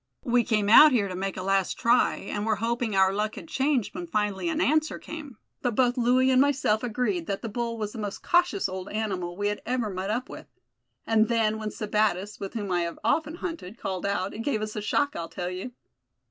We came out here to make a last try, and were hoping our luck had changed when finally an answer came. But both Louie and myself agreed that the bull was the most cautious old animal we had ever met up with. And then, when Sebattis, with whom I have often hunted, called out, it gave us a shock, I tell you."